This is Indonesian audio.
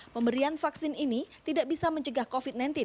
pemberian vaksin ini tidak bisa mencegah covid sembilan belas